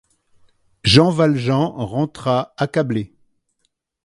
Jean Valjean rentra accablé.